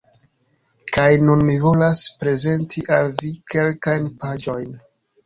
Kaj nun mi volas prezenti al vi kelkajn paĝojn